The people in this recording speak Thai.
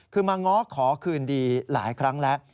คือมาง้อขอคืนดีหลายครั้งแล้ว